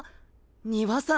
丹羽さん